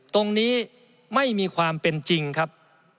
ตรงนี้ไม่มีความเป็นจริงครับ